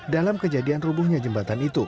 dalam kejadian rubuhnya